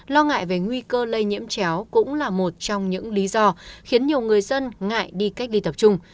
lo ngại về nguy cơ lây nhiễm chéo cũng là một trong những lý do khiến nhiều người dân ngại đi cách ly tập trung